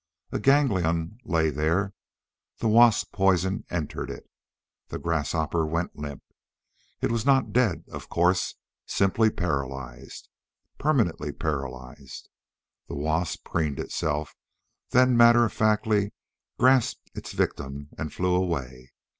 A ganglion lay there; the wasp poison entered it. The grasshopper went limp. It was not dead, of course, simply paralyzed. Permanently paralyzed. The wasp preened itself, then matter of factly grasped its victim and flew away.